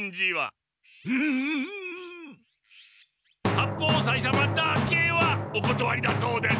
八方斎様だけはおことわりだそうです。